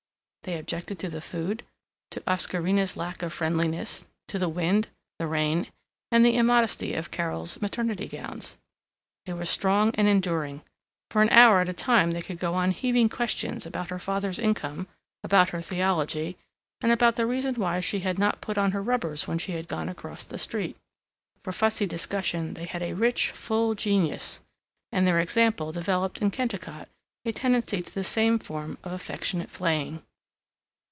They objected to the food, to Oscarina's lack of friendliness, to the wind, the rain, and the immodesty of Carol's maternity gowns. They were strong and enduring; for an hour at a time they could go on heaving questions about her father's income, about her theology, and about the reason why she had not put on her rubbers when she had gone across the street. For fussy discussion they had a rich, full genius, and their example developed in Kennicott a tendency to the same form of affectionate flaying.